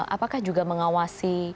apakah juga mengawasi